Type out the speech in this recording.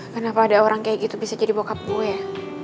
kenapa ada orang kayak gitu bisa jadi bokap gue